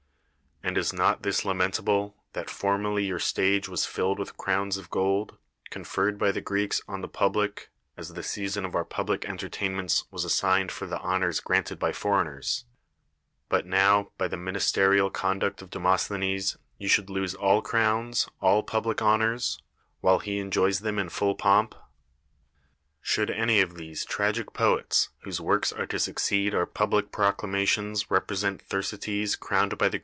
And is not this la mentable, that formerly your stage was filled with crowns of gold, conferred by the Greeks on the people (as the season of our public entertain ments was assigned for the honors granted by foreigners) ; but now, by the ministerial conduct of Demosthenes, you should lose all crowns, all public honors, Vviiile he enjoys them in full 226 ^SCHINES ponip? Should any of these trajjie poets whose works are to sui 'od our publiL ])roelainations represent Thersitcs crowned by the